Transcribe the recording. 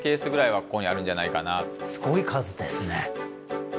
すごい数ですね。